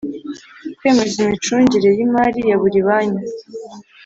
Kwemeza imicungire y imari ya buri banki